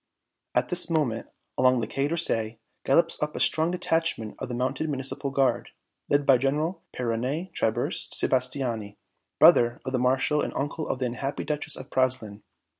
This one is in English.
At this moment, along the Quai d'Orsay, gallops up a strong detachment of the mounted Municipal Guard, led by General Peyronet Tiburce Sebastiani, brother of the Marshal and uncle of the unhappy Duchess of Praslin.